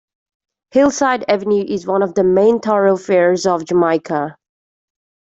Hillside Avenue is one of the main thoroughfares of Jamaica.